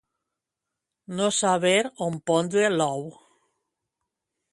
No saber on pondre l'ou.